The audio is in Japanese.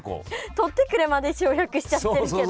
「取ってくれ」まで省略しちゃってるけど。